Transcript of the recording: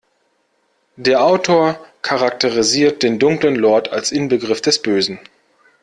Der Autor charakterisiert den dunklen Lord als Inbegriff des Bösen.